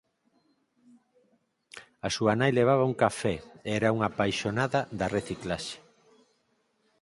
A súa nai levaba un café e era unha apaixonada da reciclaxe.